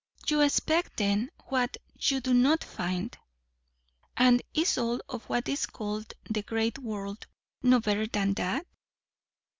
"You expect, then, what you do not find." "And is all of what is called the great world, no better than that?"